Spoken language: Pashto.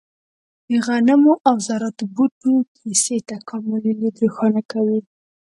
د غنمو او ذراتو بوټو کیسې تکاملي لید روښانه کوي.